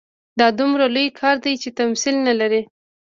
دا دومره لوی کار دی چې تمثیل نه لري.